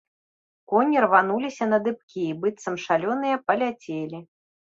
Коні рвануліся на дыбкі і быццам шалёныя паляцелі.